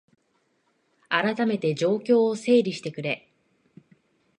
あらためて状況を整理してくれ